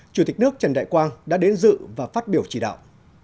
chủ tịch nước trần đại quang đã đến dự và phát biểu chỉ đạo